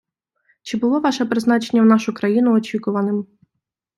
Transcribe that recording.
Чи було ваше призначення в нашу країну очікуваним?